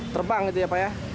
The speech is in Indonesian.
terbang gitu ya pak ya